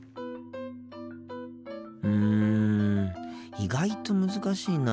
意外と難しいな。